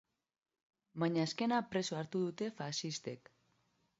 Baina azkena preso hartu dute faxistek.